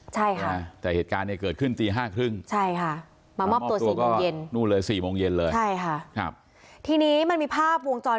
ใช่ค่ะ